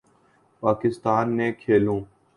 پاکستان نے کھیلو